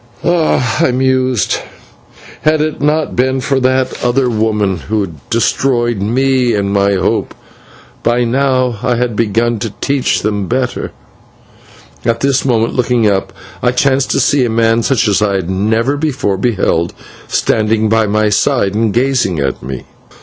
"Ah!" I mused, "had it not been for that other woman who destroyed me and my hope, by now I had begun to teach them better." At this moment, looking up, I chanced to see a man such as I had never before beheld, standing by my side and gazing at me.